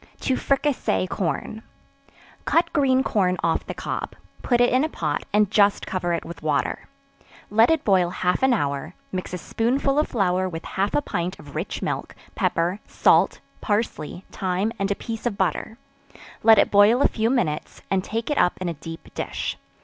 To Fricassee Corn. Cut green corn off the cob; put it in a pot, and just cover it with water; let it boil half an hour; mix a spoonful of flour with half a pint of rich milk, pepper, salt, parsley, thyme and a piece of butter; let it boil a few minutes, and take it up in a deep dish.